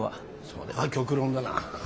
それは極論だなあ。